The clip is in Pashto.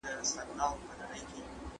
زه اوس سبزیحات پاختم؟